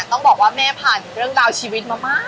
ต้องบอกว่าแม่ผ่านเรื่องราวชีวิตมามาก